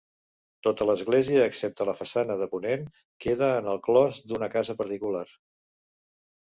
Tota l'església, excepte la façana de ponent, queda en el clos d'una casa particular.